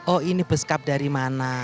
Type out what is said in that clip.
oh ini beskap dari mana